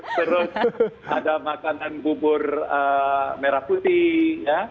terus ada makanan bubur merah putih ya